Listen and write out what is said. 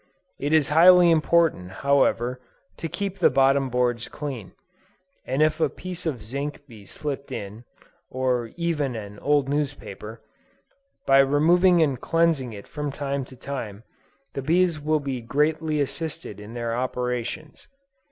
It is highly important, however, to keep the bottom boards clean, and if a piece of zinc be slipt in, (or even an old newspaper,) by removing and cleansing it from time to time, the bees will be greatly assisted in their operations.